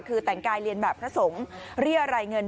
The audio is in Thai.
คือแต่งกายเรียนแบบพระสงฆ์เรียรายเงิน